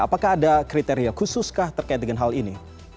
apakah ada kriteria khususkah terkait dengan hal ini